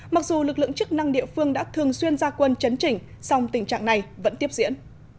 mặc dù lực lượng chức năng địa phương đã thường xuyên ra quân chấn chỉnh song tình trạng này vẫn tiếp diễn